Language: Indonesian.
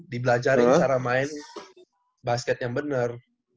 di belajarin cara main basket yang benar